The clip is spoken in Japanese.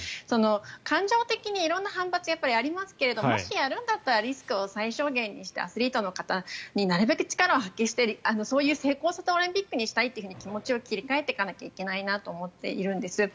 感情的に色んな反発はありますがもしやるんだったらリスクを最小限にしてアスリートになるべく力を発揮してそういう成功したオリンピックにしたいと気持ちを切り替えていかないとと思っているんです。